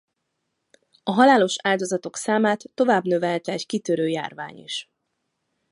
A halálos áldozatok számát tovább növelte egy kitörő járvány is.